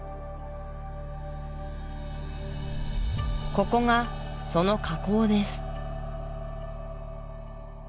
ここがその河口です